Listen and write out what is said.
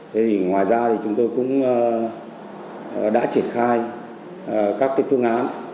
thế thì ngoài ra thì chúng tôi cũng đã triển khai các cái phương án